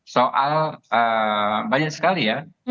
soal banyak sekali ya